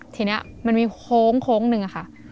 ทีนี้มันมีโค้งหนึ่งค่ะ